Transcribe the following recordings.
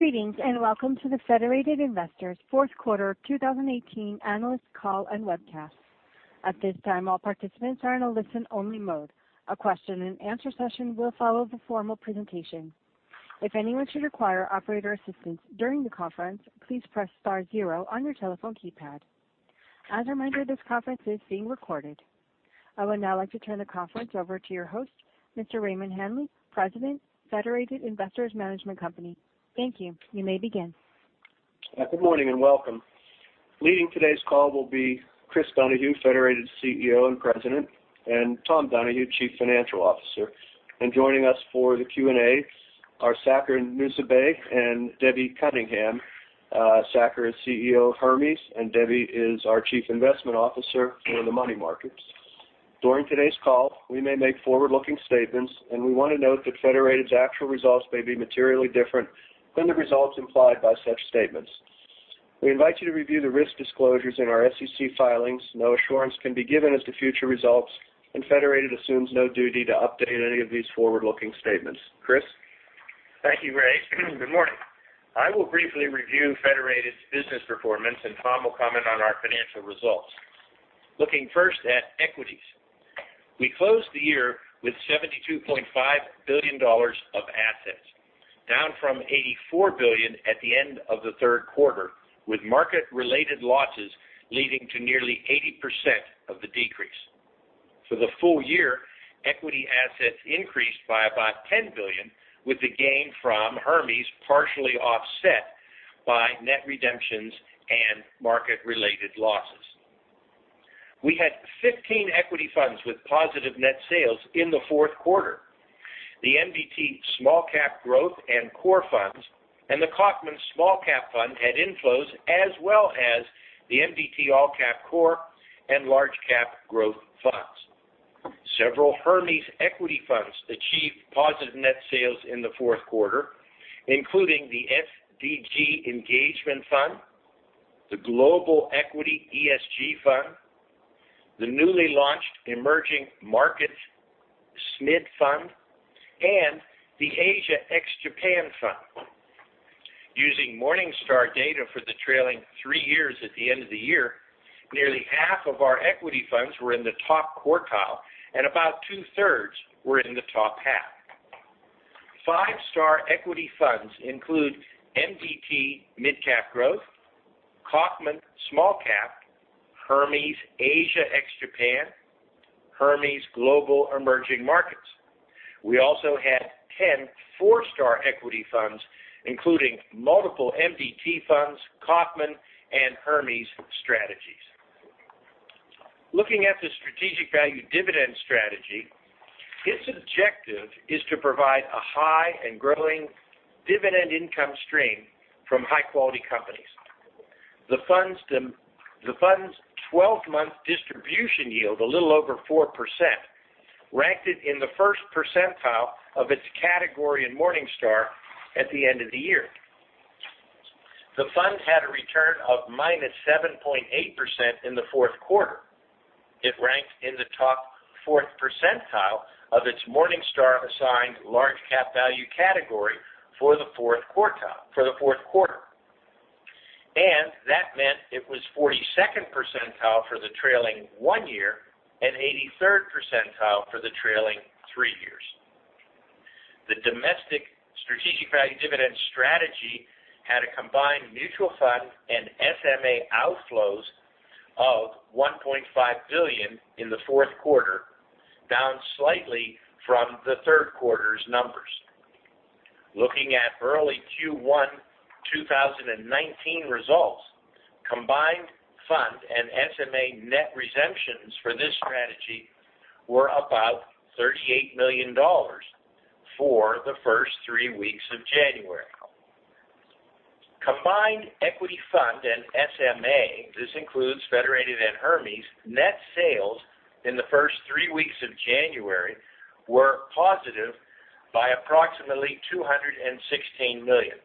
Greetings, and welcome to the Federated Investors fourth quarter 2018 analyst call and webcast. At this time, all participants are in a listen-only mode. A question and answer session will follow the formal presentation. If anyone should require operator assistance during the conference, please press star zero on your telephone keypad. As a reminder, this conference is being recorded. I would now like to turn the conference over to your host, Mr. Raymond Hanley, President, Federated Investors Management Company. Thank you. You may begin. Good morning, and welcome. Leading today's call will be Chris Donahue, Federated CEO and President, and Tom Donahue, Chief Financial Officer. Joining us for the Q&A are Saker Nusseibeh and Debbie Cunningham. Saker is CEO of Hermes, and Debbie is our Chief Investment Officer for the money markets. During today's call, we may make forward-looking statements, and we want to note that Federated's actual results may be materially different than the results implied by such statements. We invite you to review the risk disclosures in our SEC filings. No assurance can be given as to future results, and Federated assumes no duty to update any of these forward-looking statements. Chris? Thank you, Ray. Good morning. I will briefly review Federated's business performance, and Tom will comment on our financial results. Looking first at equities. We closed the year with $72.5 billion of assets, down from $84 billion at the end of the third quarter, with market-related losses leading to nearly 80% of the decrease. For the full year, equity assets increased by about $10 billion, with the gain from Hermes partially offset by net redemptions and market-related losses. We had 15 equity funds with positive net sales in the fourth quarter. The MDT Small Cap Growth and Core funds, and the Kaufmann Small Cap Fund had inflows, as well as the MDT All Cap Core and Large Cap Growth funds. Several Hermes equity funds achieved positive net sales in the fourth quarter, including the SDG Engagement Fund, the Global Equity ESG Fund, the newly launched Emerging Markets SMID Fund, and the Asia ex-Japan Fund. Using Morningstar data for the trailing three years at the end of the year, nearly half of our equity funds were in the top quartile, and about 2/3 were in the top half. Five-star equity funds include MDT Mid Cap Growth, Kaufmann Small Cap, Hermes Asia ex-Japan, Hermes Global Emerging Markets. We also had 10 four-star equity funds, including multiple MDT funds, Kaufmann, and Hermes strategies. Looking at the strategic value dividend strategy, its objective is to provide a high and growing dividend income stream from high-quality companies. The fund's 12-month distribution yield, a little over 4%, ranked it in the first percentile of its category in Morningstar at the end of the year. The fund had a return of -7.8% in the fourth quarter. It ranked in the top fourth percentile of its Morningstar-assigned large cap value category for the fourth quarter. That meant it was 42nd percentile for the trailing one year and 83rd percentile for the trailing three years. The domestic strategic value dividend strategy had a combined mutual fund and SMA outflows of $1.5 billion in the fourth quarter, down slightly from the third quarter's numbers. Looking at early Q1 2019 results, combined fund and SMA net redemptions for this strategy were about $38 million for the first three weeks of January. Combined equity fund and SMA, this includes Federated and Hermes, net sales in the first three weeks of January were positive by approximately $216 million.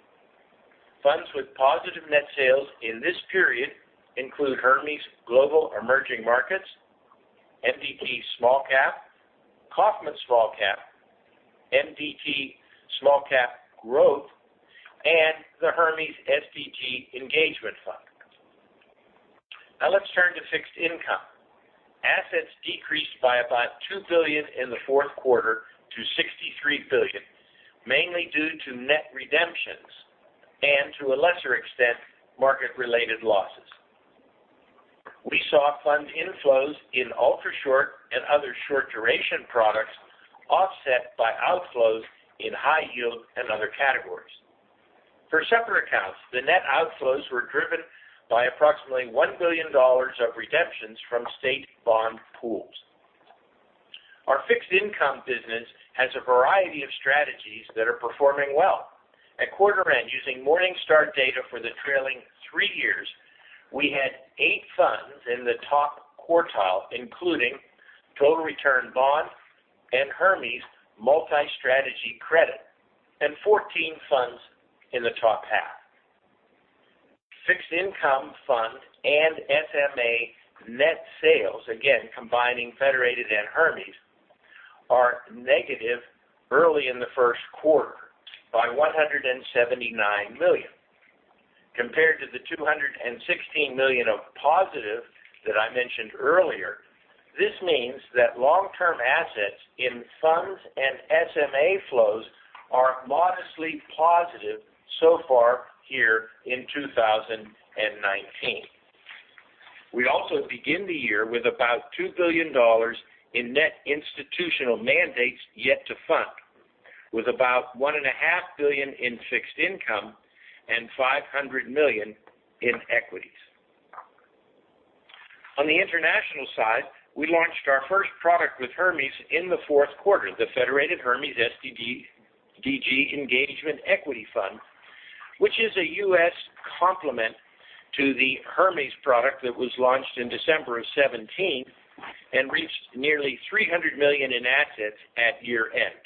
Funds with positive net sales in this period include Hermes Global Emerging Markets, MDT Small Cap, Kaufmann Small Cap, MDT Small Cap Growth, and the Hermes SDG Engagement Fund. Let's turn to fixed income. Assets decreased by about $2 billion in the fourth quarter to $63 billion, mainly due to net redemptions and, to a lesser extent, market-related losses. We saw fund inflows in ultra short and other short duration products offset by outflows in high yield and other categories. For separate accounts, the net outflows were driven by approximately $1 billion of redemptions from state bond pools. Our fixed income business has a variety of strategies that are performing well. At quarter end, using Morningstar data for the trailing three years, we had eight funds in the top quartile, including Total Return Bond and Hermes Multi-Strategy Credit, and 14 funds in the top half. Fixed income fund and SMA net sales, again, combining Federated and Hermes, are negative early in the first quarter by $179 million compared to the $216 million of positive that I mentioned earlier. This means that long-term assets in funds and SMA flows are modestly positive so far here in 2019. We also begin the year with about $2 billion in net institutional mandates yet to fund, with about $1.5 billion in fixed income and $500 million in equities. On the international side, we launched our first product with Hermes in the fourth quarter, the Federated Hermes SDG Engagement Equity Fund, which is a U.S. complement to the Hermes product that was launched in December of 2017 and reached nearly $300 million in assets at year-end.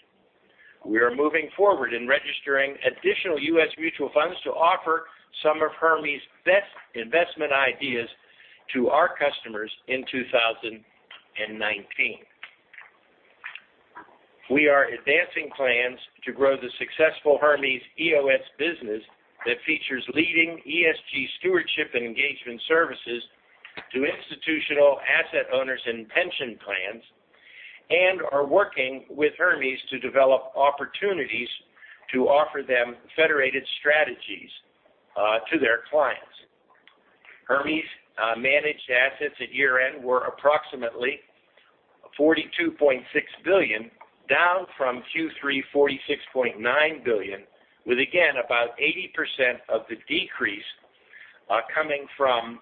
We are moving forward in registering additional U.S. mutual funds to offer some of Hermes' best investment ideas to our customers in 2019. We are advancing plans to grow the successful Hermes EOS business that features leading ESG stewardship and engagement services to institutional asset owners and pension plans, and are working with Hermes to develop opportunities to offer them Federated strategies to their clients. Hermes managed assets at year-end were approximately $42.6 billion, down from Q3 $46.9 billion, with again, about 80% of the decrease coming from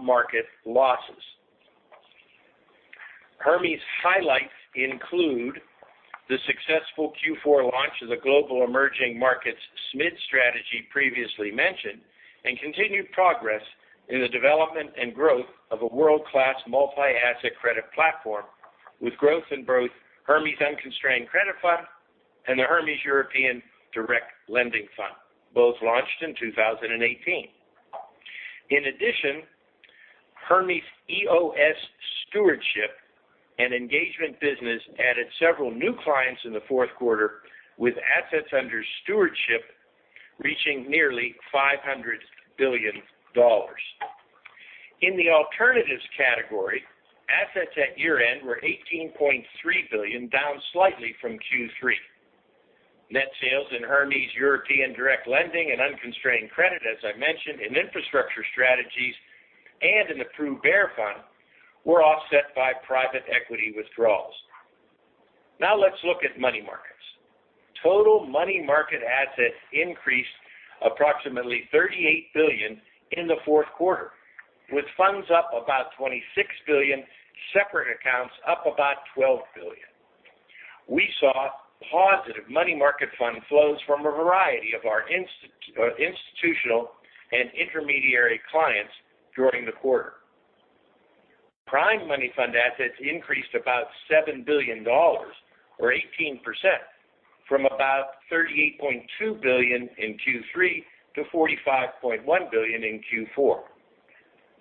market losses. Hermes highlights include the successful Q4 launch of the Global Emerging Markets SMID strategy previously mentioned, and continued progress in the development and growth of a world-class multi-asset credit platform, with growth in both Hermes Unconstrained Credit Fund and the Hermes European Direct Lending Fund, both launched in 2018. In addition, Hermes EOS stewardship and engagement business added several new clients in the fourth quarter, with assets under stewardship reaching nearly $500 billion. In the alternatives category, assets at year-end were $18.3 billion, down slightly from Q3. Net sales in Hermes European Direct Lending and Unconstrained Credit, as I mentioned, in infrastructure strategies and in the Prudent Bear Fund, were offset by private equity withdrawals. Let's look at money markets. Total money market assets increased approximately $38 billion in the fourth quarter, with funds up about $26 billion, separate accounts up about $12 billion. We saw positive money market fund flows from a variety of our institutional and intermediary clients during the quarter. Prime money fund assets increased about $7 billion, or 18%, from about $38.2 billion in Q3 to $45.1 billion in Q4.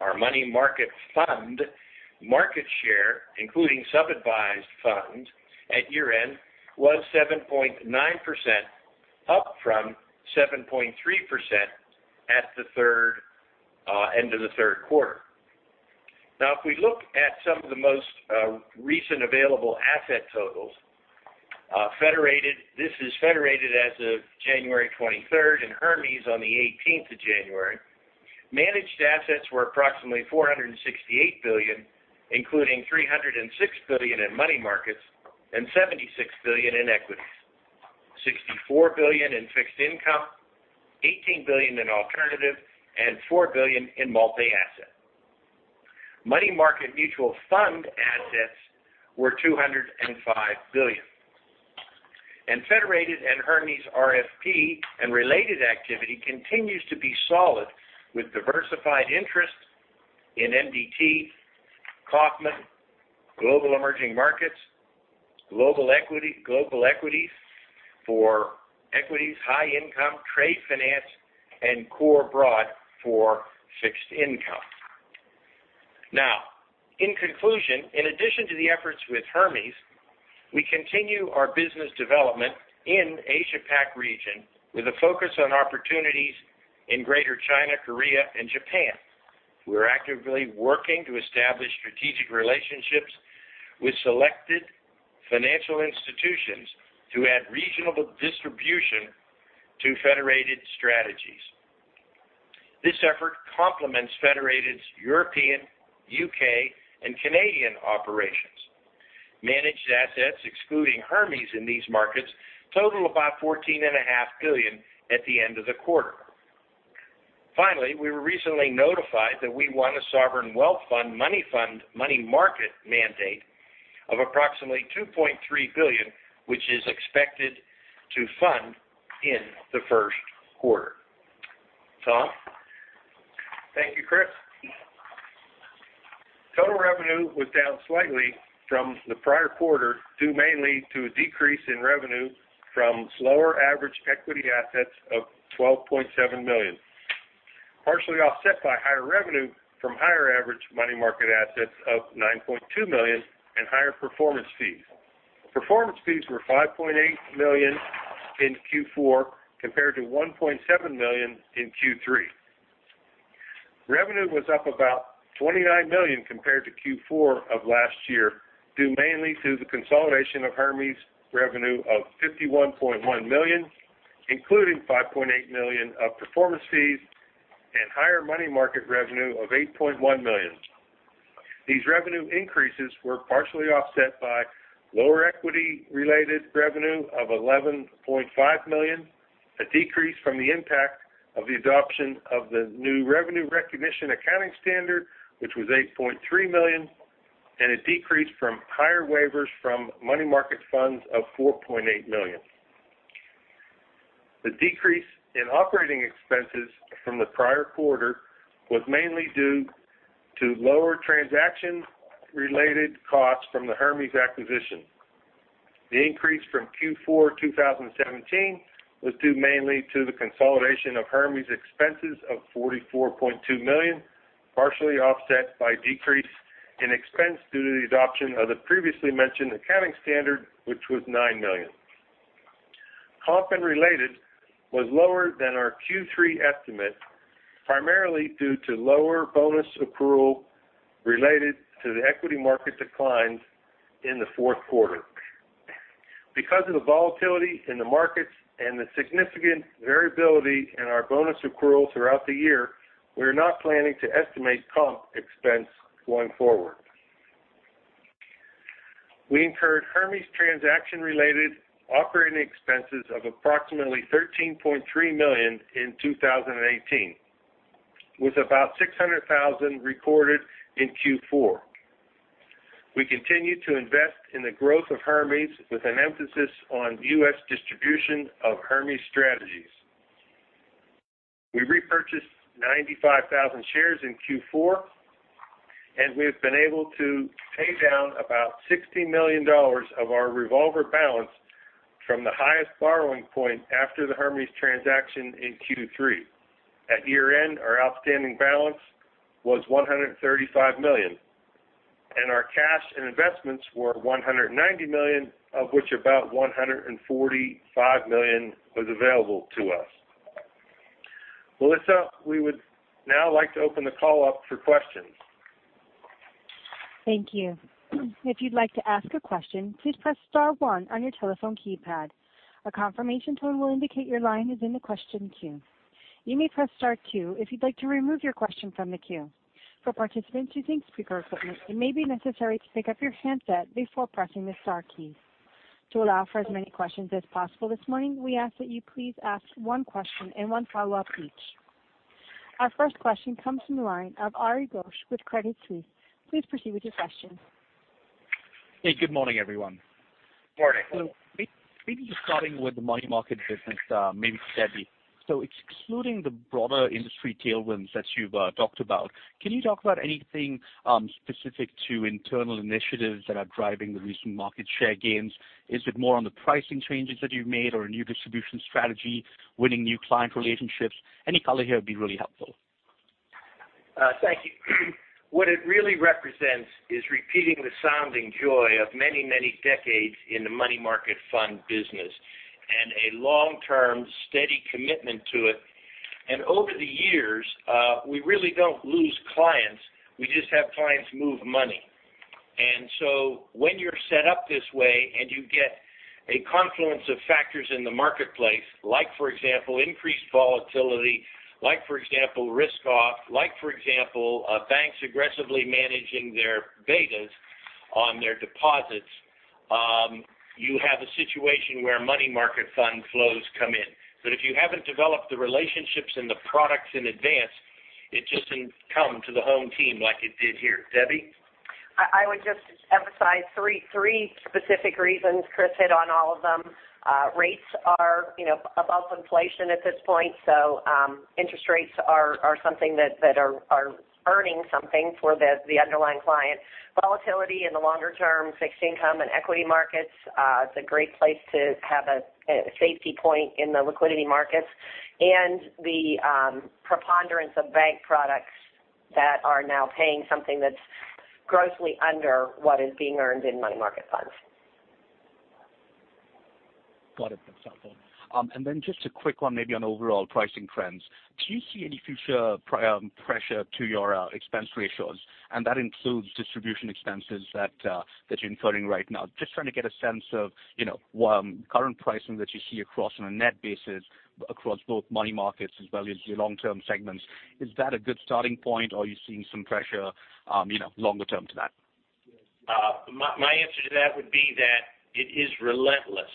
Our money market fund market share, including sub-advised funds at year-end, was 7.9%, up from 7.3% at the end of the third quarter. If we look at some of the most recent available asset totals, this is Federated as of January 23rd and Hermes on the 18th of January. Managed assets were approximately $468 billion, including $306 billion in money markets and $76 billion in equities, $64 billion in fixed income, $18 billion in alternative, and $4 billion in multi-asset. Money market mutual fund assets were $205 billion. Federated and Hermes RFP and related activity continues to be solid, with diversified interest in MDT, Kaufmann, Global Emerging Markets, Global Equities for equities high income, Trade Finance, and Core Broad for fixed income. In conclusion, in addition to the efforts with Hermes, we continue our business development in Asia PAC region with a focus on opportunities in Greater China, Korea, and Japan. We are actively working to establish strategic relationships with selected financial institutions to add regional distribution to Federated strategies. This effort complements Federated's European, U.K., and Canadian operations. Managed assets excluding Hermes in these markets total about $14.5 billion at the end of the quarter. Finally, we were recently notified that we won a sovereign wealth fund money fund money market mandate of approximately $2.3 billion, which is expected to fund in the first quarter. Tom? Thank you, Chris. Total revenue was down slightly from the prior quarter, due mainly to a decrease in revenue from slower average equity assets of $12.7 million. Partially offset by higher revenue from higher average money market assets of $9.2 million and higher performance fees. Performance fees were $5.8 million in Q4 compared to $1.7 million in Q3. Revenue was up about $29 million compared to Q4 of last year, due mainly to the consolidation of Hermes revenue of $51.1 million, including $5.8 million of performance fees and higher money market revenue of $8.1 million. These revenue increases were partially offset by lower equity-related revenue of $11.5 million, a decrease from the impact of the adoption of the new revenue recognition accounting standard, which was $8.3 million, and a decrease from higher waivers from money market funds of $4.8 million. The decrease in operating expenses from the prior quarter was mainly due to lower transaction-related costs from the Hermes acquisition. The increase from Q4 2017 was due mainly to the consolidation of Hermes expenses of $44.2 million, partially offset by decrease in expense due to the adoption of the previously mentioned accounting standard, which was $9 million. Comp unrelated was lower than our Q3 estimate, primarily due to lower bonus accrual related to the equity market declines in the fourth quarter. Because of the volatility in the markets and the significant variability in our bonus accrual throughout the year, we're not planning to estimate comp expense going forward. We incurred Hermes transaction-related operating expenses of approximately $13.3 million in 2018, with about $600,000 recorded in Q4. We continue to invest in the growth of Hermes with an emphasis on U.S. distribution of Hermes strategies. We repurchased 95,000 shares in Q4. We've been able to pay down about $60 million of our revolver balance from the highest borrowing point after the Hermes transaction in Q3. At year-end, our outstanding balance was $135 million, and our cash and investments were $190 million, of which about $145 million was available to us. Melissa, we would now like to open the call up for questions. Thank you. If you'd like to ask a question, please press star one on your telephone keypad. A confirmation tone will indicate your line is in the question queue. You may press star two if you'd like to remove your question from the queue. For participants using speaker equipment, it may be necessary to pick up your handset before pressing the star keys. To allow for as many questions as possible this morning, we ask that you please ask one question and one follow-up each. Our first question comes from the line of Ari Ghosh with Credit Suisse. Please proceed with your question. Hey, good morning, everyone. Morning. Maybe just starting with the money market business, maybe Debbie. Excluding the broader industry tailwinds that you've talked about, can you talk about anything specific to internal initiatives that are driving the recent market share gains? Is it more on the pricing changes that you've made or a new distribution strategy, winning new client relationships? Any color here would be really helpful? Thank you. What it really represents is repeating the sounding joy of many, many decades in the money market fund business, and a long-term steady commitment to it. Over the years, we really don't lose clients. We just have clients move money. When you're set up this way and you get a confluence of factors in the marketplace, like for example, increased volatility, like for example, risk off, like for example, banks aggressively managing their betas on their deposits, you have a situation where money market fund flows come in. If you haven't developed the relationships and the products in advance, it just didn't come to the home team like it did here. Debbie? I would just emphasize three specific reasons. Chris hit on all of them. Rates are above inflation at this point, so interest rates are something that are earning something for the underlying client. Volatility in the longer-term fixed income and equity markets, it's a great place to have a safety point in the liquidity markets. The preponderance of bank products that are now paying something that's grossly under what is being earned in money market funds. Got it. That's helpful. Then just a quick one maybe on overall pricing trends. Do you see any future pressure to your expense ratios? That includes distribution expenses that you're incurring right now. Just trying to get a sense of current pricing that you see across on a net basis across both money markets as well as your long-term segments. Is that a good starting point or are you seeing some pressure longer term to that? My answer to that would be that it is relentless,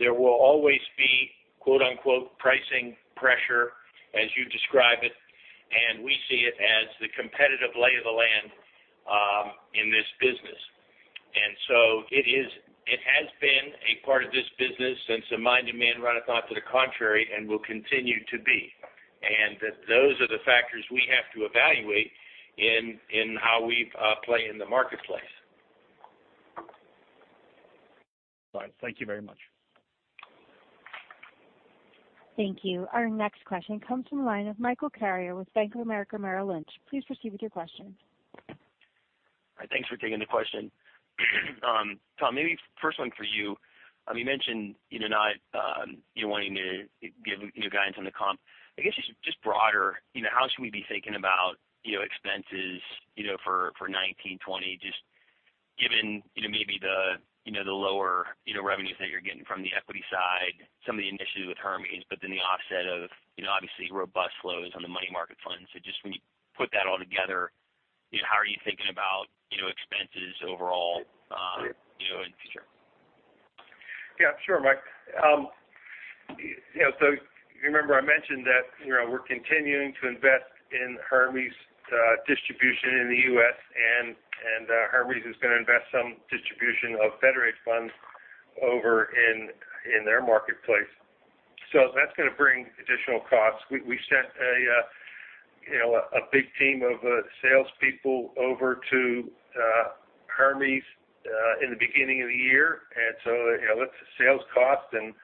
there will always be "pricing pressure" as you describe it, and we see it as the competitive lay of the land in this business. It has been a part of this business since a mind and man ran a thought to the contrary and will continue to be. Those are the factors we have to evaluate in how we play in the marketplace. All right. Thank you very much. Thank you. Our next question comes from the line of Michael Carrier with Bank of America Merrill Lynch. Please proceed with your question. Thanks for taking the question. Tom, maybe first one for you. You mentioned not wanting to give guidance on the comp. I guess just broader, how should we be thinking about expenses for 2019, 2020, just given maybe the lower revenues that you're getting from the equity side, some of the initiatives with Hermes, but then the offset of obviously robust flows on the money market funds. Just when you put that all together, how are you thinking about expenses overall in the future? Yeah, sure, Mike. You remember I mentioned that we're continuing to invest in Hermes distribution in the U.S. Hermes is going to invest some distribution of Federated funds over in their marketplace. That's going to bring additional costs. We sent a big team of salespeople over to Hermes in the beginning of the year. That's a sales cost, and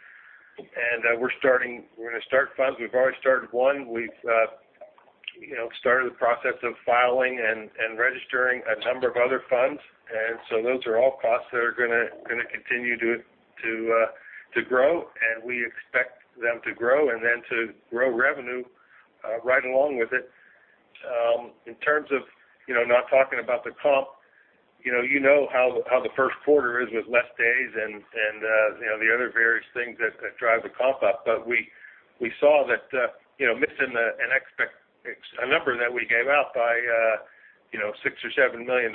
we're going to start funds. We've already started one. We've started the process of filing and registering a number of other funds. Those are all costs that are going to continue to grow, and we expect them to grow, and then to grow revenue right along with it. In terms of not talking about the comp, you know how the first quarter is with less days and the other various things that drive the comp up. We saw that missing a number that we gave out by $6 million or $7 million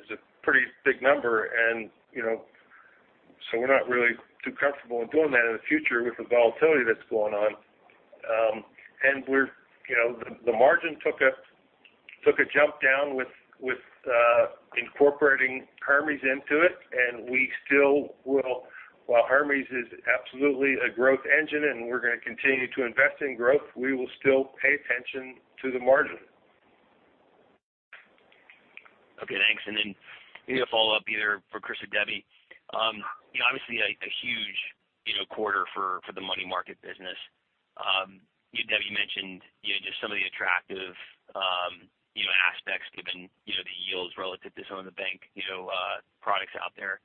is a pretty big number. We're not really too comfortable in doing that in the future with the volatility that's going on. The margin took a jump down with incorporating Hermes into it, and we still will, while Hermes is absolutely a growth engine and we're going to continue to invest in growth, we will still pay attention to the margin. Okay, thanks. Maybe a follow-up either for Chris or Debbie. Obviously a huge quarter for the money market business. Debbie mentioned just some of the attractive aspects given the yields relative to some of the bank products out there.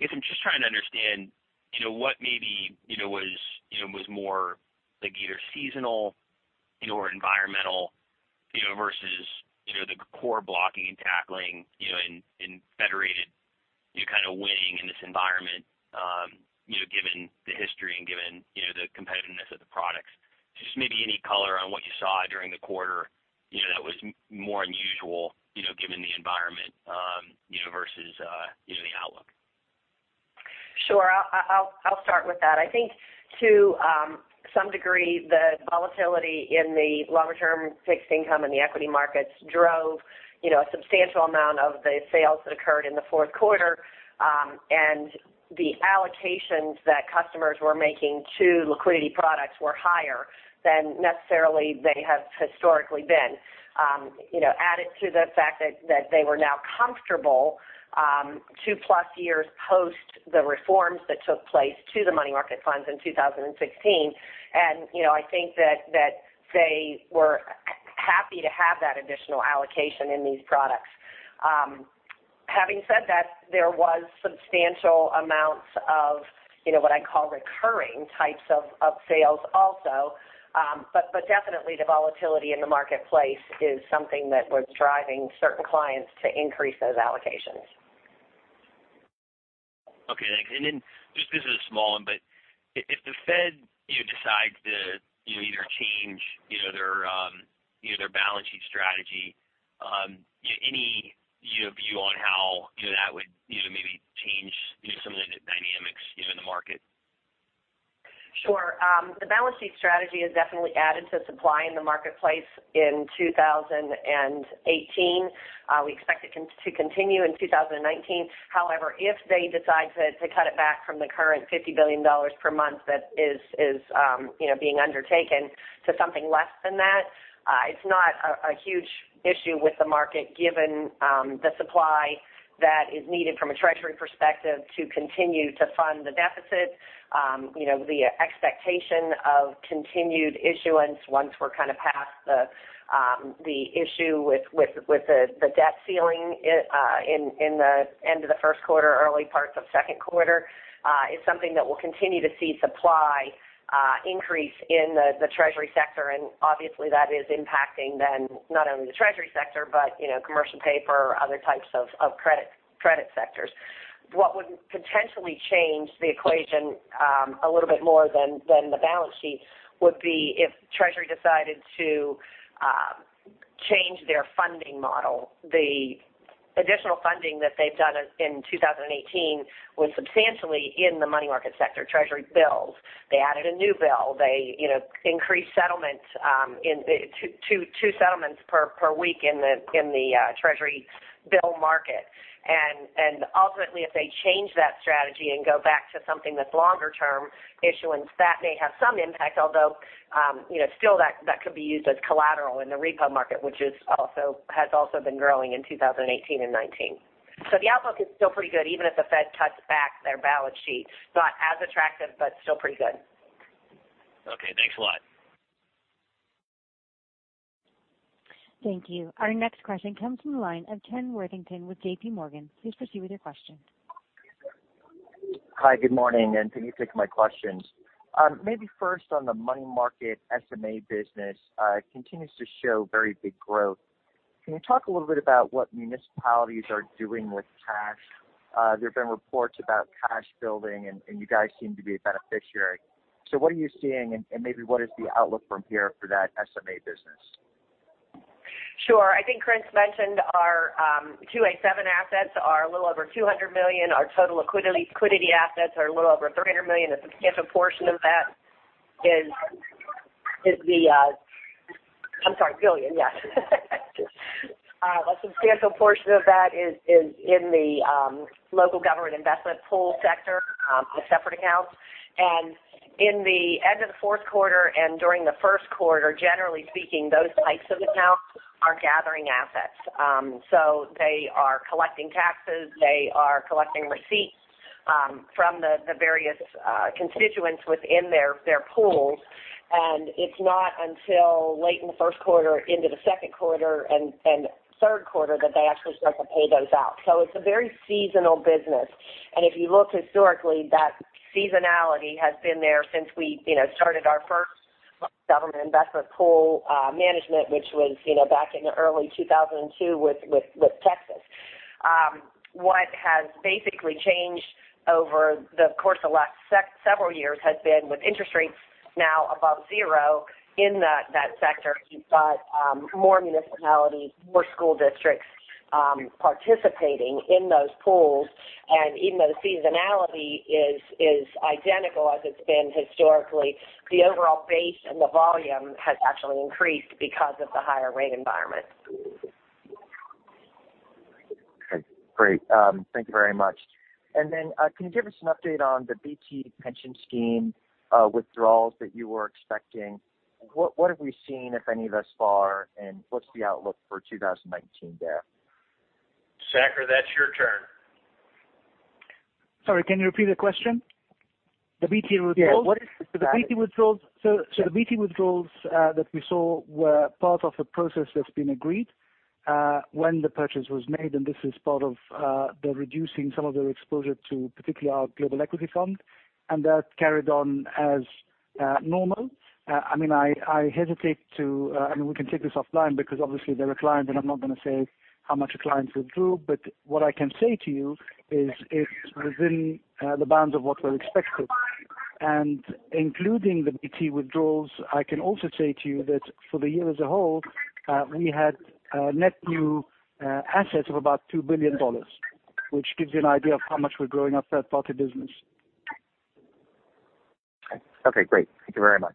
I guess I'm just trying to understand what maybe was more like either seasonal or environmental versus the core blocking and tackling in Federated winning in this environment given the history and given the competitiveness of the products. Just maybe any color on what you saw during the quarter that was more unusual given the environment versus the outlook? Sure. I'll start with that. I think to some degree, the volatility in the longer-term fixed income and the equity markets drove a substantial amount of the sales that occurred in the fourth quarter. The allocations that customers were making to liquidity products were higher than necessarily they have historically been. Added to the fact that they were now comfortable 2+ years post the reforms that took place to the money market funds in 2016. I think that they were happy to have that additional allocation in these products. Having said that, there was substantial amounts of what I call recurring types of sales also. Definitely the volatility in the marketplace is something that was driving certain clients to increase those allocations. Okay, thanks. Just this is a small one, if the Fed decides to either change their balance sheet strategy, any view on how that would maybe change some of the dynamics in the market? Sure. The balance sheet strategy has definitely added to supply in the marketplace in 2018. We expect it to continue in 2019. If they decide to cut it back from the current $50 billion per month that is being undertaken to something less than that, it's not a huge issue with the market given the supply that is needed from a treasury perspective to continue to fund the deficit. The expectation of continued issuance once we're kind of past the issue with the debt ceiling in the end of the first quarter, early parts of second quarter is something that we'll continue to see supply increase in the treasury sector. Obviously that is impacting then not only the treasury sector, but commercial paper, other types of credit sectors. What would potentially change the equation a little bit more than the balance sheet would be if treasury decided to change their funding model. The additional funding that they've done in 2018 was substantially in the money market sector Treasury bills. They added a new bill. They increased two settlements per week in the Treasury bill market. Ultimately, if they change that strategy and go back to something that's longer term issuance, that may have some impact. Although, still that could be used as collateral in the repo market, which has also been growing in 2018 and 2019. The outlook is still pretty good, even if the Fed cuts back their balance sheet. It's not as attractive, still pretty good. Okay, thanks a lot. Thank you. Our next question comes from the line of Ken Worthington with JPMorgan. Please proceed with your question. Hi, good morning. Thank you for taking my questions. Maybe first on the money market SMA business. It continues to show very big growth. Can you talk a little bit about what municipalities are doing with cash? There have been reports about cash building and you guys seem to be a beneficiary. What are you seeing and maybe what is the outlook from here for that SMA business? Sure. Chris mentioned our 2a-7 assets are a little over $200 million. Our total liquidity assets are a little over $300 million, a substantial portion of that is in the local government investment pool sector, a separate account. In the end of the fourth quarter and during the first quarter, generally speaking, those types of accounts are gathering assets. They are collecting taxes, they are collecting receipts from the various constituents within their pools, and it is not until late in the first quarter into the second quarter and third quarter that they actually start to pay those out. It is a very seasonal business. If you look historically, that seasonality has been there since we started our first local government investment pool management, which was back in early 2002 with Texas. What has basically changed over the course of the last several years has been with interest rates now above zero in that sector. You have got more municipalities, more school districts participating in those pools. Even though the seasonality is identical as it has been historically, the overall base and the volume has actually increased because of the higher rate environment. Okay, great. Thank you very much. Can you give us an update on the BT Pension Scheme withdrawals that you were expecting? What have we seen, if any, thus far, and what's the outlook for 2019 there? Saker, that's your turn. Sorry, can you repeat the question? The BT withdrawals? Yeah. What is the status? The BT withdrawals that we saw were part of a process that's been agreed when the purchase was made, and this is part of their reducing some of their exposure to particularly our global equity fund, and that carried on as normal. We can take this offline because obviously they're a client, and I'm not going to say how much a client withdrew. What I can say to you is it's within the bounds of what we expected. Including the BT withdrawals, I can also say to you that for the year as a whole, we had net new assets of about $2 billion, which gives you an idea of how much we're growing our third-party business. Great. Thank you very much.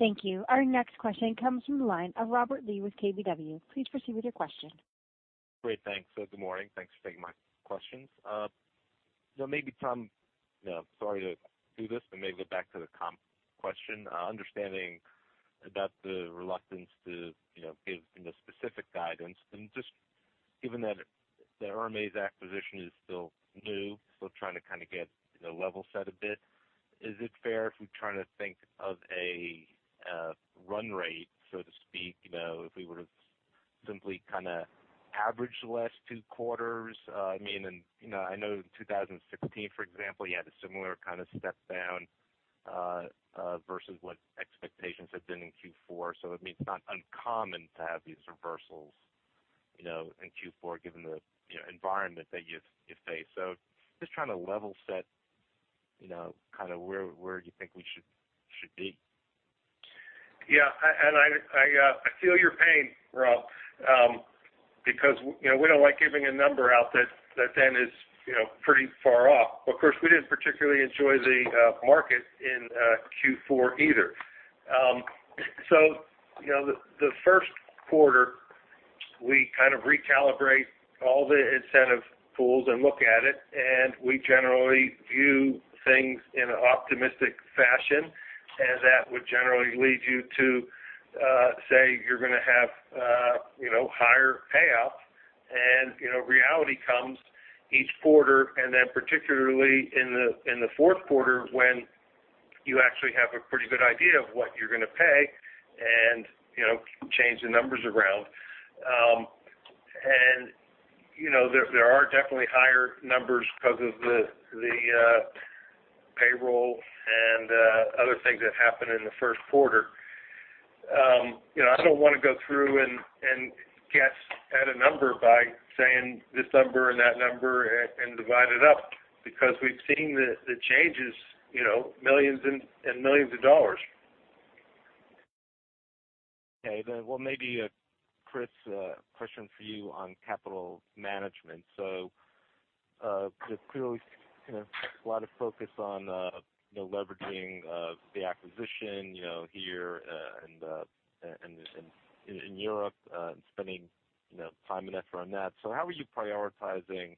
Thank you. Our next question comes from the line of Robert Lee with KBW. Please proceed with your question. Thanks. Good morning. Thanks for taking my questions. Maybe Tom, sorry to do this, maybe go back to the comp question. Understanding about the reluctance to give specific guidance, and just given that the Hermes acquisition is still new, still trying to kind of get level set a bit, is it fair if we try to think of a run rate, so to speak, if we were to simply kind of average the last two quarters? I know in 2016, for example, you had a similar kind of step down versus what expectations had been in Q4. It's not uncommon to have these reversals in Q4 given the environment that you face. Just trying to level set where you think we should be? I feel your pain, Rob. We don't like giving a number out that then is pretty far off. Of course, we didn't particularly enjoy the market in Q4 either. The first quarter, we kind of recalibrate all the incentive pools and look at it, and we generally view things in an optimistic fashion, and that would generally lead you to say you're going to have higher payouts. Reality comes each quarter, and then particularly in the fourth quarter, when you actually have a pretty good idea of what you're going to pay and change the numbers around. There are definitely higher numbers because of the payroll and other things that happened in the first quarter. I don't want to go through and guess at a number by saying this number and that number and divide it up because we've seen the changes, millions and millions of dollars. Okay. Well maybe, Chris, a question for you on capital management. There's clearly a lot of focus on leveraging the acquisition here and in Europe, and spending time and effort on that. How are you prioritizing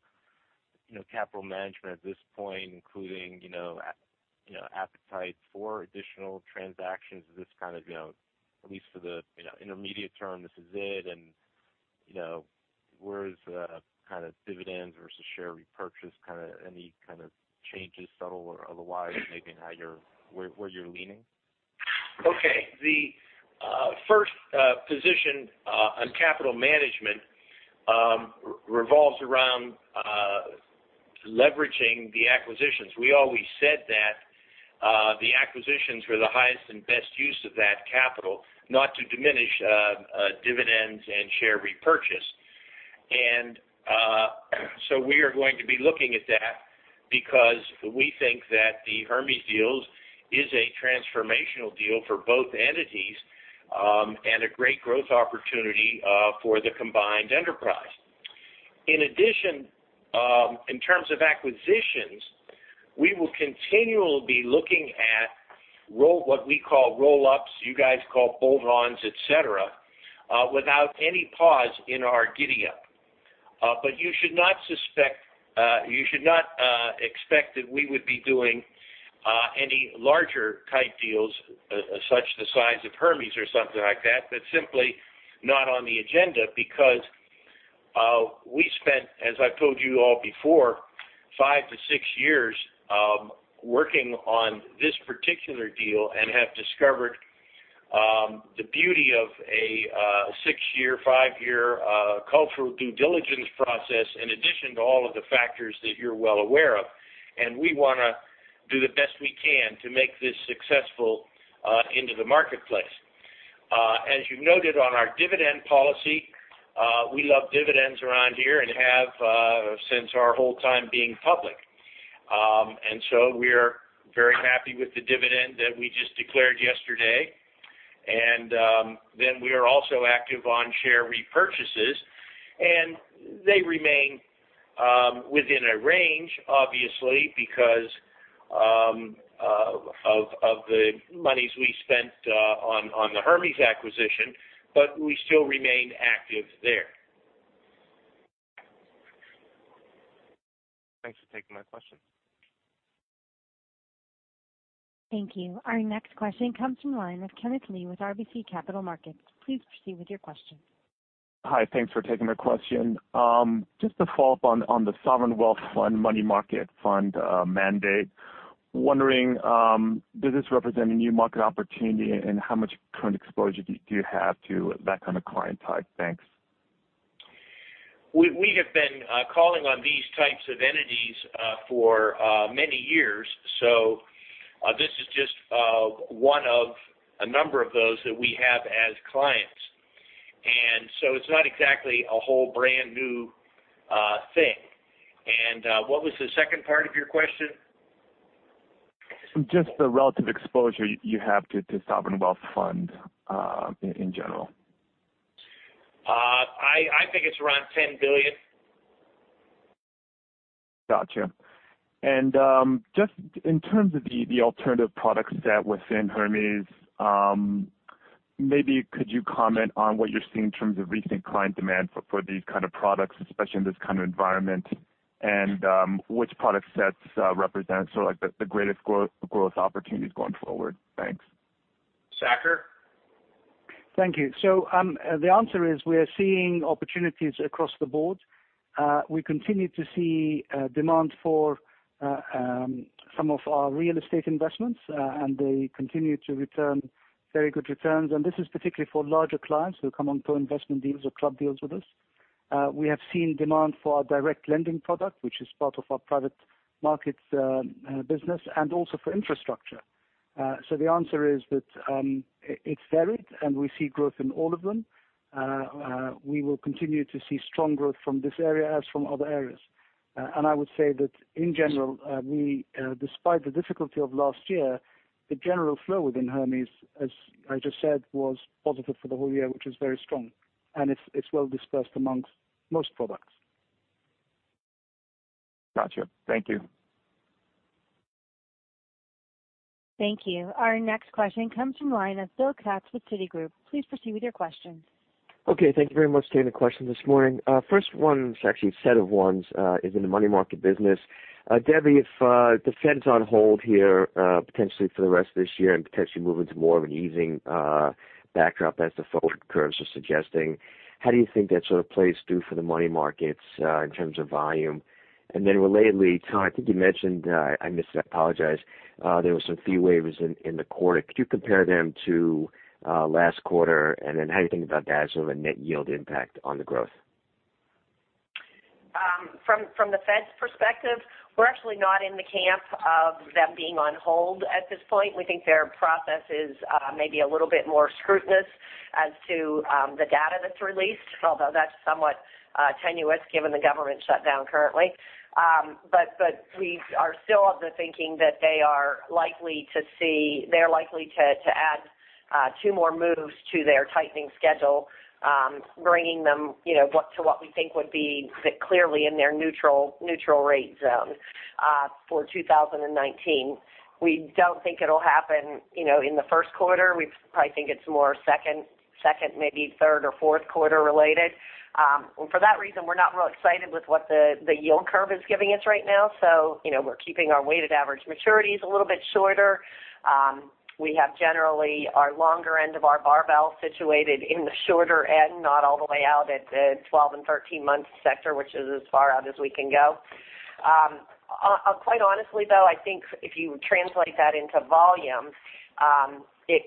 capital management at this point, including appetite for additional transactions of this kind, at least for the intermediate term, this is it. Where is the kind of dividends versus share repurchase, any kind of changes, subtle or otherwise, maybe in where you're leaning? Okay. The first position on capital management revolves around leveraging the acquisitions. We always said that the acquisitions were the highest and best use of that capital, not to diminish dividends and share repurchase. We are going to be looking at that because we think that the Hermes deal is a transformational deal for both entities, and a great growth opportunity for the combined enterprise. In addition, in terms of acquisitions, we will continually be looking at what we call roll-ups, you guys call bolt-ons, et cetera, without any pause in our giddy-up. You should not expect that we would be doing any larger type deals such the size of Hermes or something like that. That's simply not on the agenda because we spent, as I've told you all before, five to six years working on this particular deal and have discovered the beauty of a six-year, five-year cultural due diligence process in addition to all of the factors that you're well aware of. We want to do the best we can to make this successful into the marketplace. As you noted on our dividend policy, we love dividends around here and have since our whole time being public. We are very happy with the dividend that we just declared yesterday. We are also active on share repurchases, and they remain within a range, obviously, because of the monies we spent on the Hermes acquisition, but we still remain active there. Thanks for taking my question. Thank you. Our next question comes from the line of Kenneth Lee with RBC Capital Markets. Please proceed with your question. Hi. Thanks for taking my question. Just to follow up on the sovereign wealth fund, money market fund mandate. Wondering, does this represent a new market opportunity, and how much current exposure do you have to that kind of client type? Thanks. We have been calling on these types of entities for many years, so this is just one of a number of those that we have as clients. It's not exactly a whole brand new thing. What was the second part of your question? Just the relative exposure you have to sovereign wealth fund in general? I think it's around $10 billion. Got you. Just in terms of the alternative product set within Hermes, maybe could you comment on what you're seeing in terms of recent client demand for these kind of products, especially in this kind of environment, and which product sets represent the greatest growth opportunities going forward? Thanks. Saker? Thank you. The answer is we are seeing opportunities across the board. We continue to see demand for some of our real estate investments, and they continue to return very good returns. This is particularly for larger clients who come on co-investment deals or club deals with us. We have seen demand for our direct lending product, which is part of our private markets business, and also for infrastructure. The answer is that it's varied, and we see growth in all of them. We will continue to see strong growth from this area as from other areas. I would say that in general, despite the difficulty of last year, the general flow within Hermes, as I just said, was positive for the whole year, which is very strong, and it's well dispersed amongst most products. Got you. Thank you. Thank you. Our next question comes from the line of Bill Katz with Citigroup. Please proceed with your question. Thank you very much. Taking the question this morning. First one's actually a set of ones, is in the money market business. Debbie, if the Fed's on hold here potentially for the rest of this year and potentially move into more of an easing backdrop as the forward curves are suggesting, how do you think that sort of plays through for the money markets in terms of volume? Then relatedly, Tom, I think you mentioned, I missed it, apologize, there were some fee waivers in the quarter. Could you compare them to last quarter, and then how do you think about that sort of a net yield impact on the growth? From the Fed's perspective, we're actually not in the camp of them being on hold at this point. We think their process is maybe a little bit more scrutinous as to the data that's released. Although that's somewhat tenuous given the government shutdown currently. We are still of the thinking that they're likely to add two more moves to their tightening schedule, bringing them to what we think would be clearly in their neutral rate zone for 2019. We don't think it'll happen in the first quarter. We probably think it's more second, maybe third or fourth quarter related. For that reason, we're not real excited with what the yield curve is giving us right now. We're keeping our weighted average maturities a little bit shorter. We have generally our longer end of our barbell situated in the shorter end, not all the way out at the 12 and 13 month sector, which is as far out as we can go. Quite honestly, though, I think if you translate that into volume, the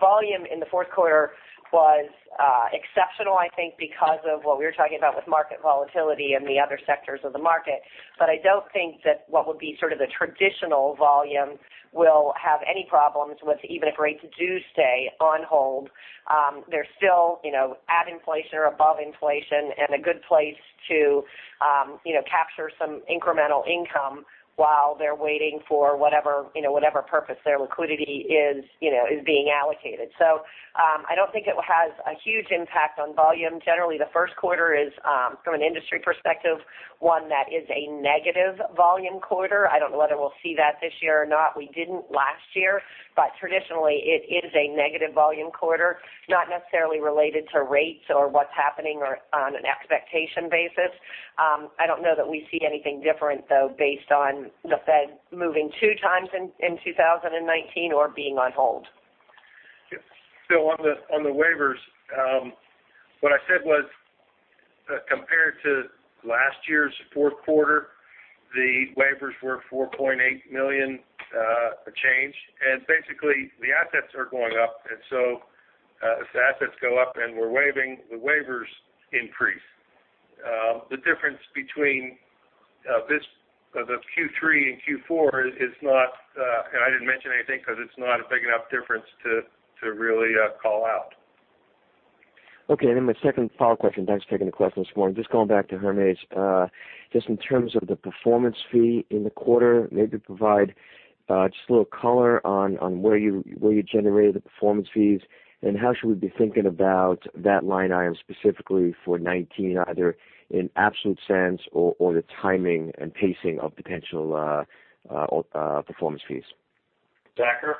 volume in the fourth quarter was exceptional, I think because of what we were talking about with market volatility and the other sectors of the market. I don't think that what would be sort of the traditional volume will have any problems with even if rates do stay on hold. They're still at inflation or above inflation and a good place to capture some incremental income while they're waiting for whatever purpose their liquidity is being allocated. I don't think it has a huge impact on volume. Generally, the first quarter is from an industry perspective, one that is a negative volume quarter. I don't know whether we'll see that this year or not. We didn't last year, but traditionally it is a negative volume quarter. Not necessarily related to rates or what's happening or on an expectation basis. I don't know that we see anything different though based on the Fed moving two times in 2019 or being on hold. On the waivers, what I said was compared to last year's fourth quarter, the waivers were $4.8 million, a change. Basically the assets are going up. As the assets go up and we're waiving, the waivers increase. The difference between the Q3 and Q4 is not, and I didn't mention anything because it's not a big enough difference to really call out. Okay. My second follow-up question. Thanks for taking the question this morning. Going back to Hermes. In terms of the performance fee in the quarter, maybe provide just a little color on where you generated the performance fees and how should we be thinking about that line item specifically for 2019, either in absolute sense or the timing and pacing of potential performance fees? Saker?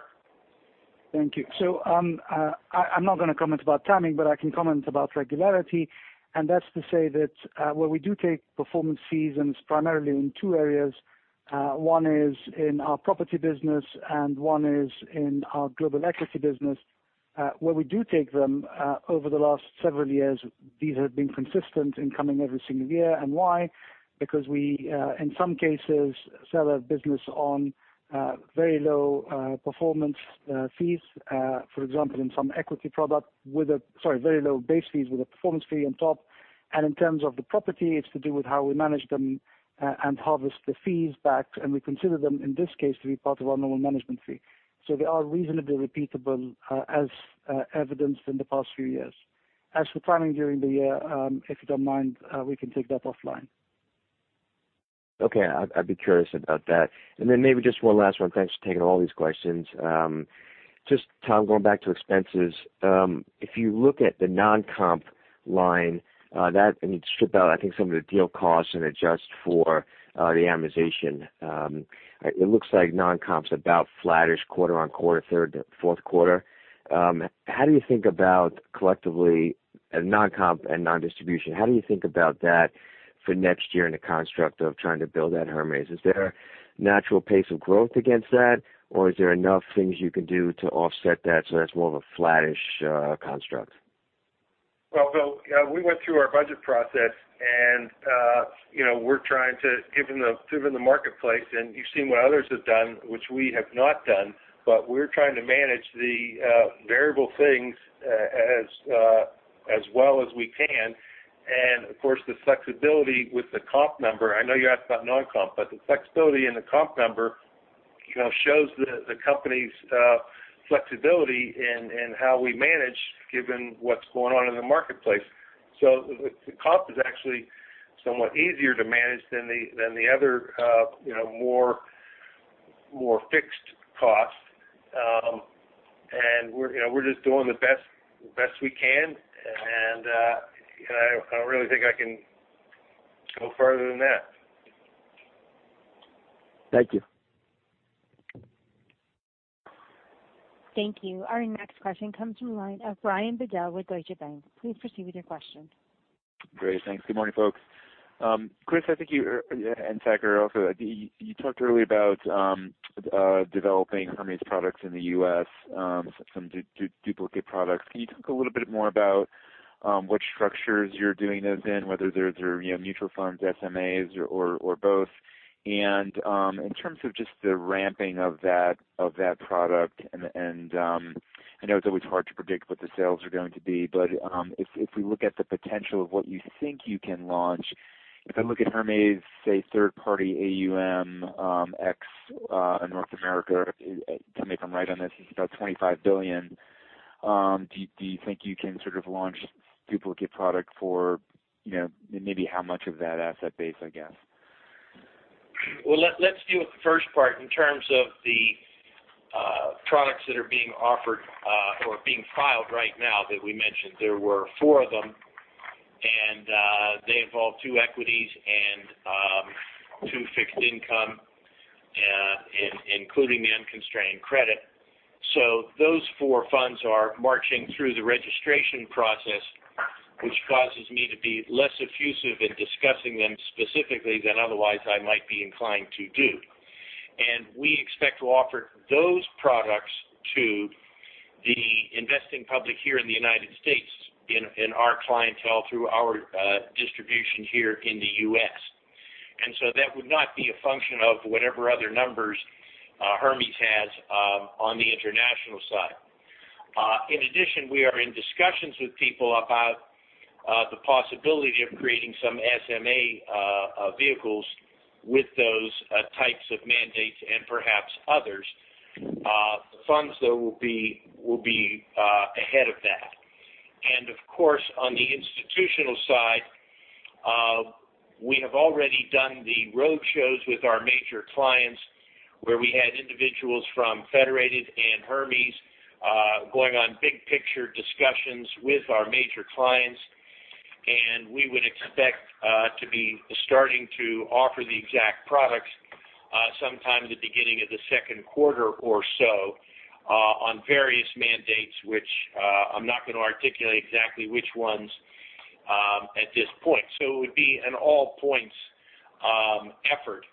Thank you. I'm not going to comment about timing, but I can comment about regularity. That's to say that where we do take performance fees, and it's primarily in two areas. One is in our property business and one is in our global equity business. Where we do take them over the last several years, these have been consistent in coming every single year. Why? Because we in some cases sell a business on very low performance fees. For example, in some equity product with a very low base fees with a performance fee on top. In terms of the property, it's to do with how we manage them and harvest the fees back. We consider them, in this case, to be part of our normal management fee. They are reasonably repeatable as evidenced in the past few years. As for timing during the year, if you don't mind, we can take that offline. Okay. I'd be curious about that. Maybe just one last one. Thanks for taking all these questions. Tom, going back to expenses. If you look at the non-comp line that, and you strip out I think some of the deal costs and adjust for the amortization. It looks like non-comp's about flattish quarter-on-quarter, third to fourth quarter. How do you think about collectively non-comp and non-distribution? How do you think about that for next year in the construct of trying to build that at Hermes? Is there a natural pace of growth against that, or is there enough things you can do to offset that so that's more of a flattish construct? Well, Bill, we went through our budget process and we're trying to, given the marketplace and you've seen what others have done, which we have not done. We're trying to manage the variable things as well as we can. Of course, the flexibility with the comp number, I know you asked about non-comp, but the flexibility in the comp number shows the company's flexibility in how we manage given what's going on in the marketplace. The comp is actually somewhat easier to manage than the other more fixed costs. We're just doing the best we can. I don't really think I can go further than that. Thank you. Thank you. Our next question comes from the line of Brian Bedell with Deutsche Bank. Please proceed with your question. Great. Thanks. Good morning, folks. Chris, I think you and Saker also, you talked earlier about developing Hermes products in the U.S., some duplicate products. Can you talk a little bit more about what structures you're doing those in, whether they're mutual funds, SMAs, or both? In terms of just the ramping of that product, and I know it's always hard to predict what the sales are going to be, but if we look at the potential of what you think you can launch. If I look at Hermes, say third party AUM in North America, to make them right on this, it's about $25 billion. Do you think you can launch duplicate product for maybe how much of that asset base, I guess? Well, let's deal with the first part. In terms of the products that are being offered or being filed right now that we mentioned, there were four of them, and they involve two equities and two fixed income, including the Unconstrained Credit. Those four funds are marching through the registration process, which causes me to be less effusive in discussing them specifically than otherwise I might be inclined to do. We expect to offer those products to the investing public here in the U.S. in our clientele through our distribution here in the U.S. That would not be a function of whatever other numbers Hermes has on the international side. In addition, we are in discussions with people about the possibility of creating some SMA vehicles with those types of mandates and perhaps others. The funds, though, will be ahead of that. Of course, on the institutional side, we have already done the road shows with our major clients, where we had individuals from Federated and Hermes going on big-picture discussions with our major clients. We would expect to be starting to offer the exact products sometime the beginning of the second quarter or so on various mandates, which I'm not going to articulate exactly which ones at this point. It would be an all-points effort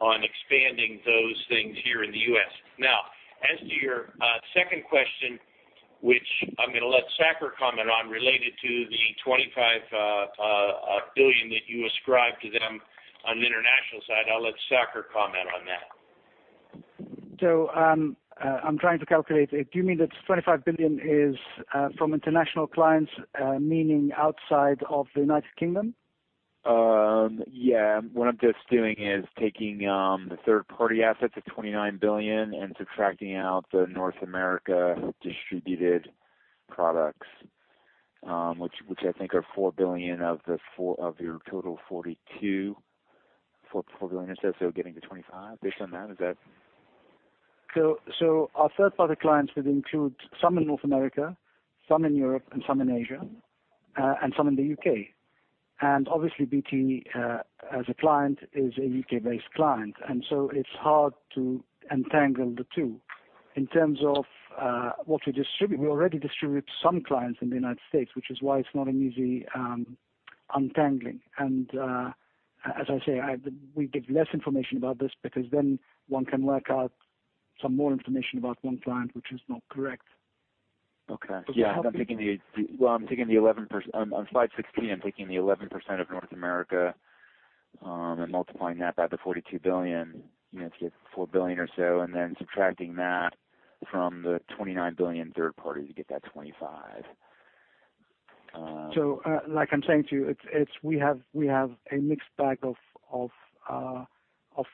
on expanding those things here in the U.S. Now, as to your second question, which I'm going to let Saker comment on, related to the $25 billion that you ascribe to them on the international side. I'll let Saker comment on that. I'm trying to calculate. Do you mean that $25 billion is from international clients, meaning outside of the U.K.? Yeah. What I'm just doing is taking the third-party assets of $29 billion and subtracting out the North America distributed products, which I think are $4 billion of your total $42 billion. $4 billion or so, getting to $25 billion on that. Is that? Our third-party clients would include some in North America, some in Europe, some in Asia, and some in the U.K. Obviously BT as a client is a U.K.-based client, so it's hard to untangle the two. In terms of what we distribute, we already distribute some clients in the United States, which is why it's not an easy untangling. As I say, we give less information about this because then one can work out some more information about one client, which is not correct. Okay. Yeah. On slide 16, I'm taking the 11% of North America, multiplying that by the $42 billion to get $4 billion or so, then subtracting that from the $29 billion third party to get that $25. Like I'm saying to you, we have a mixed bag of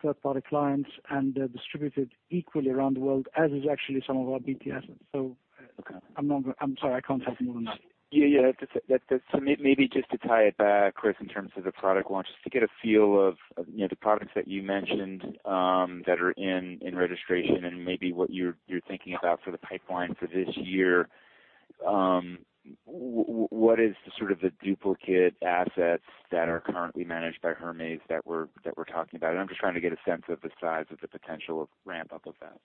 third-party clients, and they're distributed equally around the world, as is actually some of our BT assets. Okay. I'm sorry. I can't help you more than that. Yeah. Maybe just to tie it back, Chris, in terms of the product launch, just to get a feel of the products that you mentioned that are in registration and maybe what you're thinking about for the pipeline for this year. What is the duplicate assets that are currently managed by Hermes that we're talking about? I'm just trying to get a sense of the size of the potential ramp-up of that.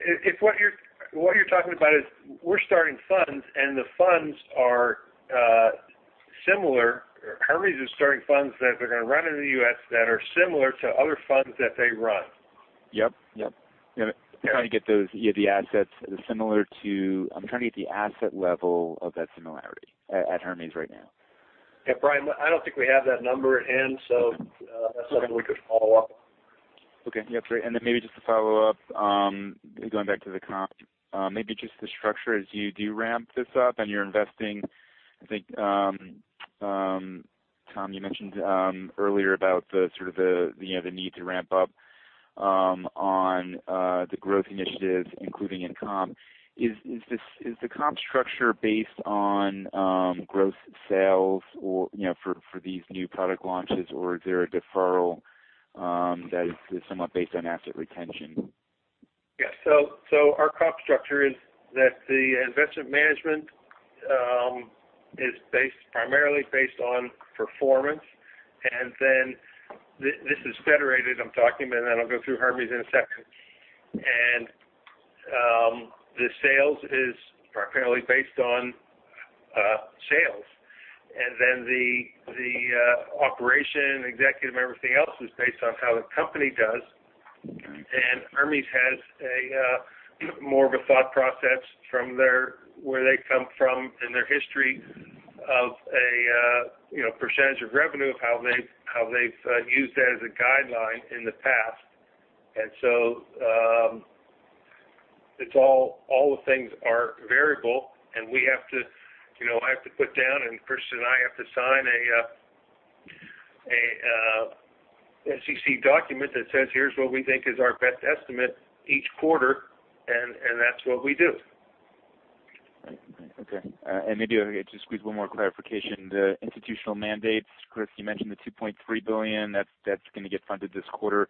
If what you're talking about is we're starting funds, and the funds are similar Hermes is starting funds that they're going to run in the U.S. that are similar to other funds that they run. Yep. I'm trying to get the asset level of that similarity at Hermes right now? Yeah, Brian, I don't think we have that number at hand, so that's something we could follow up. Okay. Yeah, great. Maybe just to follow up, going back to the comp, maybe just the structure as you do ramp this up and you're investing, I think, Tom, you mentioned earlier about the need to ramp up on the growth initiatives, including in comp. Is the comp structure based on gross sales for these new product launches, or is there a deferral that is somewhat based on asset retention? Yeah. Our comp structure is that the investment management is primarily based on performance. This is Federated I'm talking about, and then I'll go through Hermes in a second. The sales is primarily based on sales. The operation, executive, and everything else is based on how the company does. Hermes has more of a thought process from where they come from in their history of a percentage of revenue, of how they've used that as a guideline in the past. All the things are variable, and I have to put down, and Chris and I have to sign a SEC document that says, here's what we think is our best estimate each quarter, that's what we do. Right. Okay. Maybe to squeeze one more clarification, the institutional mandates, Chris, you mentioned the $2.3 billion that's going to get funded this quarter,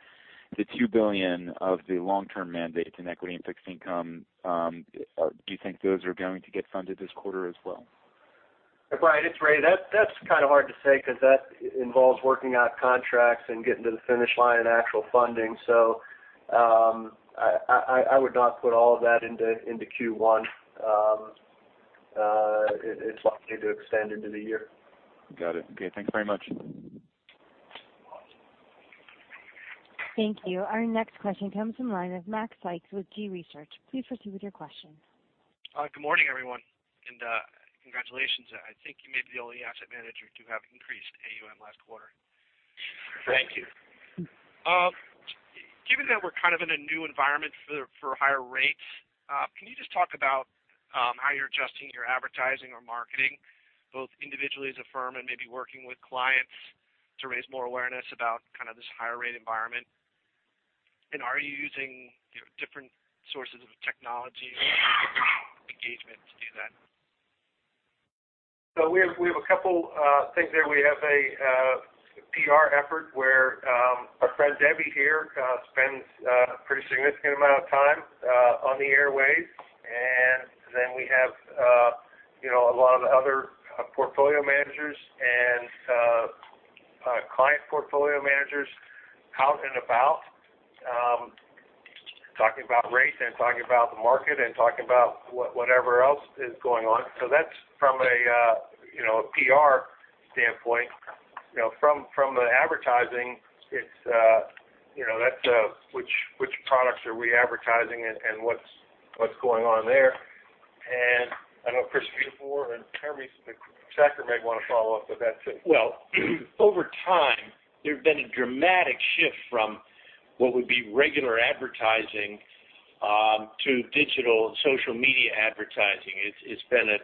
the $2 billion of the long-term mandates in equity and fixed income. Do you think those are going to get funded this quarter as well? Right. It's Ray. That's hard to say because that involves working out contracts and getting to the finish line and actual funding. I would not put all of that into Q1. It's likely to extend into the year. Got it. Okay, thanks very much. Thank you. Our next question comes from line of Matt Sykes with G-Research. Please proceed with your question. Good morning, everyone, and congratulations. I think you may be the only asset manager to have increased AUM last quarter. Thank you. Given that we're in a new environment for higher rates, can you just talk about how you're adjusting your advertising or marketing, both individually as a firm and maybe working with clients to raise more awareness about this higher rate environment? Are you using different sources of technology engagement to do that? We have a couple things there. We have a PR effort where our friend Debbie here spends a pretty significant amount of time on the airwaves. We have a lot of other portfolio managers and client portfolio managers out and about, talking about rates and talking about the market, and talking about whatever else is going on. That's from a PR standpoint. From the advertising, that's which products are we advertising, and what's going on there. I know Chris before and Hermes, the sector may want to follow up with that too. Over time, there's been a dramatic shift from what would be regular advertising to digital social media advertising. It's been a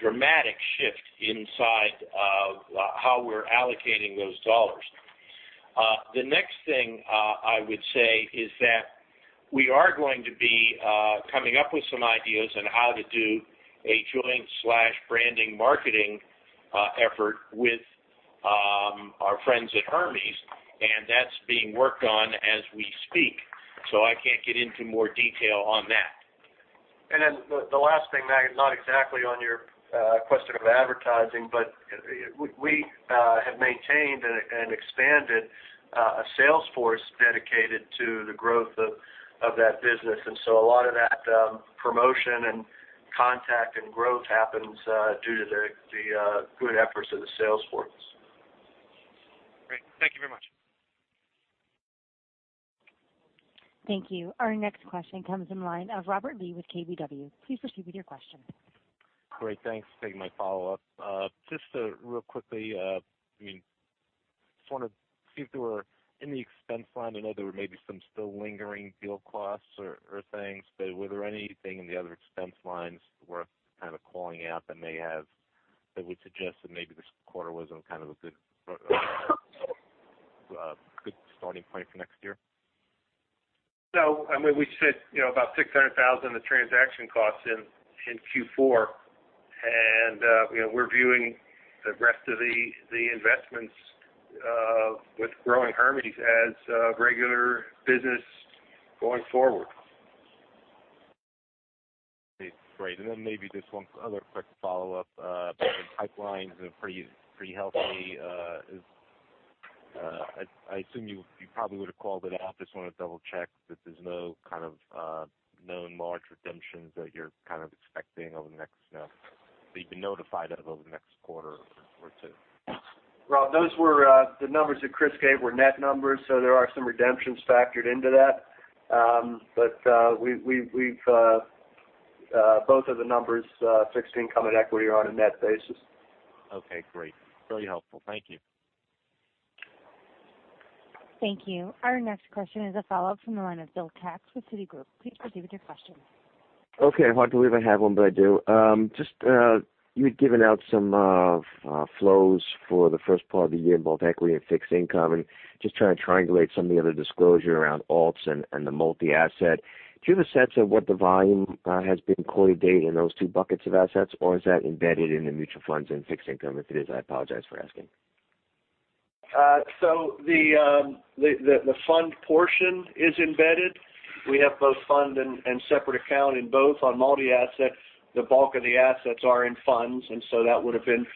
dramatic shift inside of how we're allocating those dollars. The next thing I would say is that we are going to be coming up with some ideas on how to do a joint/branding marketing effort with our friends at Hermes, and that's being worked on as we speak. I can't get into more detail on that. The last thing, not exactly on your question of advertising, we have maintained and expanded a sales force dedicated to the growth of that business. A lot of that promotion and contact and growth happens due to the good efforts of the sales force. Great. Thank you very much. Thank you. Our next question comes in line of Robert Lee with KBW. Please proceed with your question. Great. Thanks for taking my follow-up. Just real quickly, I just want to see if there were any expense line. I know there were maybe some still lingering deal costs or things, were there anything in the other expense lines worth calling out that would suggest that maybe this quarter was on a good starting point for next year? We said about $600,000 the transaction costs in Q4. We're viewing the rest of the investments with growing Hermes as regular business going forward. Great. Then maybe just one other quick follow-up. Pipeline's pretty healthy. I assume you probably would've called it out. Just wanted to double-check that there's no known large redemptions that you're expecting over the next, that you've been notified of over the next quarter or two? Rob, the numbers that Chris gave were net numbers, there are some redemptions factored into that. Both of the numbers, fixed income and equity, are on a net basis. Okay, great. Really helpful. Thank you. Thank you. Our next question is a follow-up from the line of Bill Katz with Citigroup. Please proceed with your question. Okay. Hard to believe I have one, but I do. You had given out some flows for the first part of the year in both equity and fixed income. Just trying to triangulate some of the other disclosure around alts and the multi-asset. Do you have a sense of what the volume has been quarter to date in those two buckets of assets, or is that embedded in the mutual funds and fixed income? If it is, I apologize for asking. The fund portion is embedded. We have both fund and separate account in both. On multi-asset, the bulk of the assets are in funds. That would've been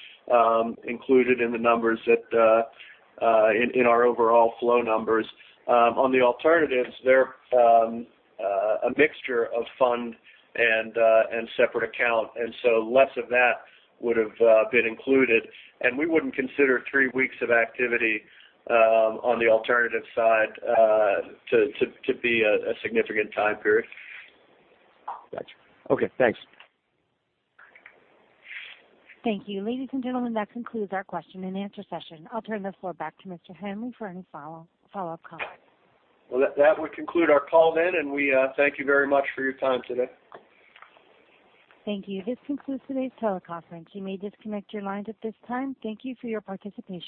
included in the numbers in our overall flow numbers. On the alternatives, they're a mixture of fund and separate account. Less of that would've been included. We wouldn't consider three weeks of activity on the alternative side to be a significant time period. Got you. Okay, thanks. Thank you. Ladies and gentlemen, that concludes our question and answer session. I'll turn the floor back to Mr. Hanley for any follow-up comments. Well, that would conclude our call then, and we thank you very much for your time today. Thank you. This concludes today's teleconference. You may disconnect your lines at this time. Thank you for your participation.